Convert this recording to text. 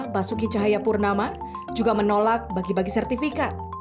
basuki cahayapurnama juga menolak bagi bagi sertifikat